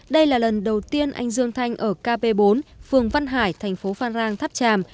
đây là lần đầu tiên anh dương thanh ở kp bốn phường văn hải thành phố phan rang tháp tràm